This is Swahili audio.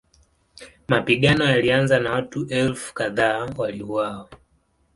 Mapigano yalianza na watu elfu kadhaa waliuawa.